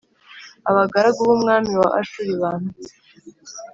abagaragu b umwami wa Ashuri bantutse